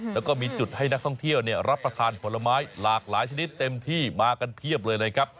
แล้วก็มีจุดให้นักท่องเที่ยวรับประทานผลไม้หลากหลายชนิดเต็มที่มากันเพียบเลยนะครับ